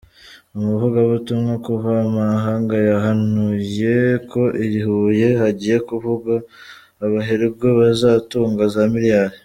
Umuvugabutumwa Kavamahanga yahanuye ko i Huye hagiye kuvuga abaherwe bazatunga za Miliyari.